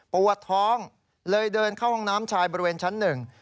ปวดท้องเลยเดินเข้าห้องน้ำชายบริเวณชั้นหนึ่ง